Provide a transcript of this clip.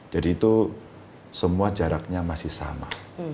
jadi itu semua jaraknya masih sama